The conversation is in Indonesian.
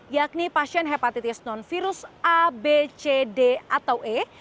yakni pasien hepatitis non virus a b cd atau e